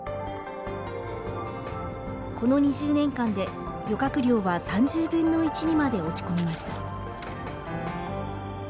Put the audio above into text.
この２０年間で漁獲量は３０分の１にまで落ち込みました。